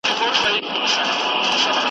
ځه چي ځو تر اسمانونو ځه چي پی کو دا مزلونه .